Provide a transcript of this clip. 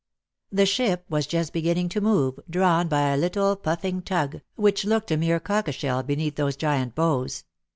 The ship was just beginning to move, drawn by a little puffing tug, which looked a mere cockleshell beneath those giant bows.